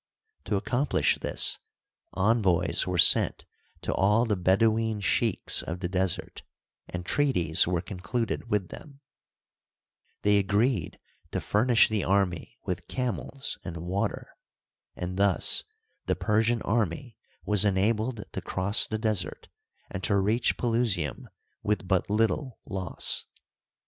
To accomplish this, envoys d by Google THE EGYPTIAN RENAISSANCE, 135 were sent to all the Bedouin sheiks of the desert, and trea ties were concluded with them. They agreed to furnish the army with camels and water, and thus the Persian army was enabled to cross the desert and to reach Pelu sium with but little loss.